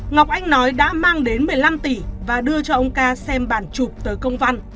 ngọc anh nói đã mang đến một mươi năm tỷ và đưa cho ông ca xem bản chụp tới công văn